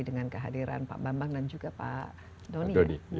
dengan kehadiran pak bambang dan juga pak doni